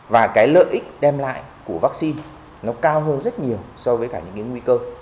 và cái lợi ích đem lại của vaccine nó cao hơn rất nhiều so với cả những cái nguy cơ